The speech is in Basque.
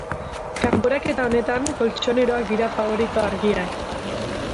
Kanporaketa honetan koltxoneroak dira faborito argiak.